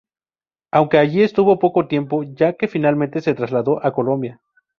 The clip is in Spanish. Aunque allí estuvo poco tiempo, ya que finalmente se trasladó a Colombia.